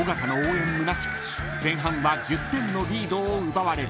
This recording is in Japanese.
むなしく前半は１０点のリードを奪われる］